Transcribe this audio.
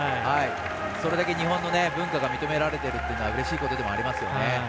それだけ日本の文化が認められているというのはうれしいことでもありますよね。